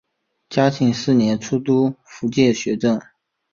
嘉庆四年出督福建学政。